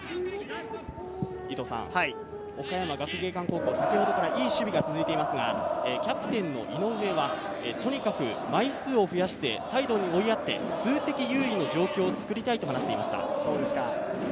岡山学芸館高校、先ほどからいい守備が続いていますが、キャプテンの井上は、とにかく枚数を増やして、サイドに追いやって、数的優位な状況を作りたいと話していました。